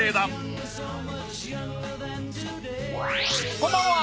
こんばんは。